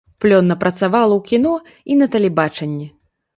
Плённа працавала ў кіно і на тэлебачанні.